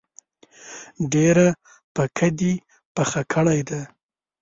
ډیره پکه دي پخه کړی ده